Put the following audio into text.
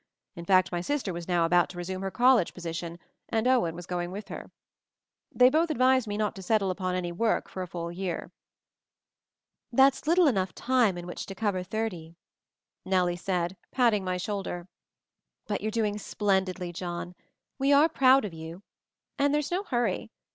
In fact, my sister was now about to resume her college position and Owen was going with her. They both advised me not to settle upon any work for a full year. "That's little enough time in which to cover thirty," Nellie said, patting my shoulder. "But you're doing splendidly, John. We are proud of you. And there's no hurry.